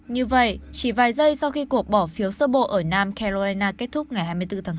như vậy chỉ vài giây sau khi cuộc bỏ phiếu sơ bộ ở nam carolina kết thúc ngày hai mươi bốn tháng bốn